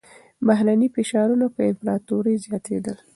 بهرني فشارونه پر امپراتورۍ زياتېدل.